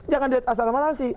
jangan di asal sama lain sih